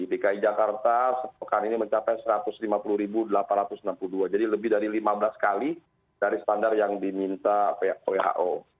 dki jakarta sepekan ini mencapai satu ratus lima puluh delapan ratus enam puluh dua jadi lebih dari lima belas kali dari standar yang diminta who